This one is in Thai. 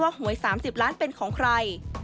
หวย๓๐ล้านเป็นของใคร